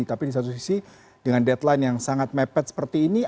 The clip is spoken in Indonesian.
tapi di satu sisi dengan deadline yang sangat mepet seperti ini